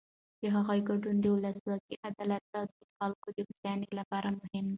د هغوی ګډون د ولسواکۍ، عدالت او د خلکو د هوساینې لپاره مهم دی.